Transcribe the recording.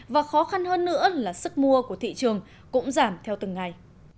và khó khăn hơn nữa là sức mua của thị trường cũng giảm theo từng ngày